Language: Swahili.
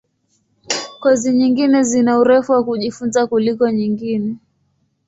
Kozi nyingine zina urefu wa kujifunza kuliko nyingine.